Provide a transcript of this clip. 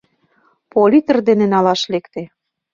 Политр дене налаш лекте